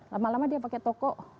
lama lama dia pakai toko